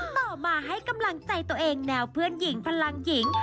ต่อมาให้กำลังใจตัวเองแนวเพื่อนหญิงพลังหญิง